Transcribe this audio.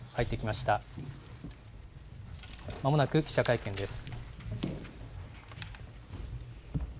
まもなく記者会見です。